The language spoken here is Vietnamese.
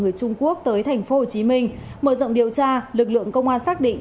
người trung quốc tới thành phố hồ chí minh mở rộng điều tra lực lượng công an xác định